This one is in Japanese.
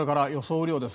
雨量です。